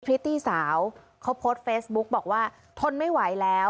พริตตี้สาวเขาโพสต์เฟซบุ๊กบอกว่าทนไม่ไหวแล้ว